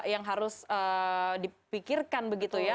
yang harus dipikirkan begitu ya